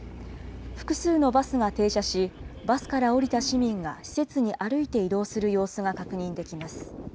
複数のバスが停車し、バスから降りた市民が施設に歩いて移動する様子が確認できます。